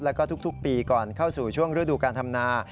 แล้วก็ทุกปีก่อนเข้าสู่ช่วงฤดูการทำนา